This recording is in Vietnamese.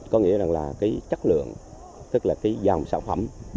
có nghĩa rằng là cái chất lượng tức là cái dòng sản phẩm